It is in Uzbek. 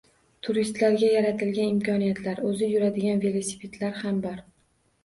Turistlarga yaratilgan imkoniyatlar, oʻzi yuradigan velosipedlar ham bor.